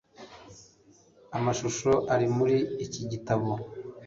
Amashusho ari muri iki gitabo,